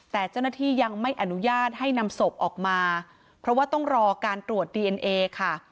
แต่เจ้าหน้าที่ยังไม่อนุญาตให้นำศพออกมาเพราะว่าต้องรอการตรวจดีเอ็นเอค่ะ